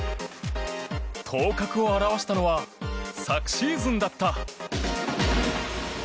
頭角を現したのは昨シーズンだった。